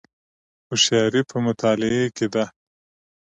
هوښیاري په مطالعې کې ده